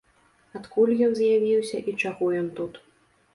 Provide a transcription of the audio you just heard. Адкуль ён з'явіўся і чаго ён тут.